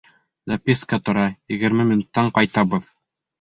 Записка тора: «Егерме минуттан ҡайтабыҙ».